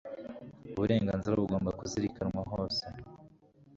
uburenganzira bugomba kuzirikanwa hose